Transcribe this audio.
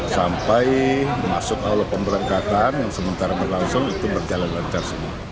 sampai masuk awal pemberangkatan yang sementara berlangsung itu berjalan lancar semua